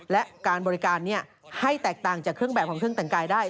และการบริการให้แตกต่างจากเครื่องแบบของเครื่องแต่งกายได้